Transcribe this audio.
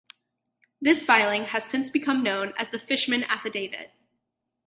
This filing has since become known as the Fishman Affidavit.